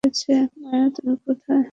মায়া, তুমি কোথায়?